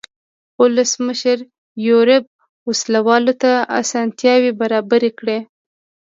ولسمشر یوریب وسله والو ته اسانتیاوې برابرې کړې.